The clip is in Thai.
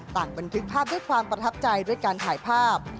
บันทึกภาพด้วยความประทับใจด้วยการถ่ายภาพ